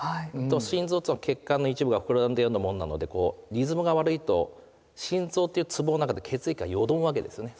心臓というのは血管の一部が膨らんだようなもんなのでこうリズムが悪いと心臓っていうつぼの中で血液がよどむわけですよね。